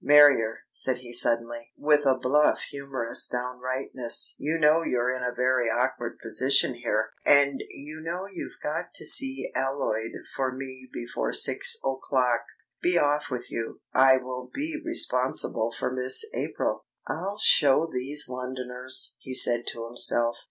"Marrier," said he suddenly, with a bluff humorous downrightness, "you know you're in a very awkward position here, and you know you've got to see Alloyd for me before six o'clock. Be off with you. I will be responsible for Miss April." ("I'll show these Londoners!" he said to himself.